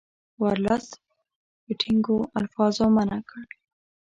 ورلسټ په ټینګو الفاظو منع کړ.